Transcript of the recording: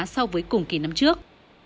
so với cùng kỳ năm trước